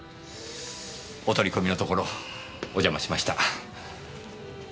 お取り込みのところお邪魔しました。